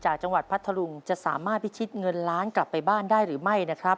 จังหวัดพัทธรุงจะสามารถพิชิตเงินล้านกลับไปบ้านได้หรือไม่นะครับ